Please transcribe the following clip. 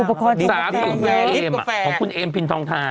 อุปกรณ์ที่เกี่ยวของคุณเอมพินทองทา